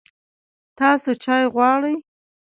تاسو چای غواړئ؟